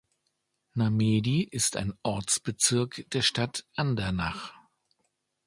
Namedy ist ein Ortsbezirk der Stadt Andernach.